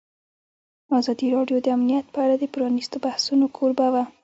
ازادي راډیو د امنیت په اړه د پرانیستو بحثونو کوربه وه.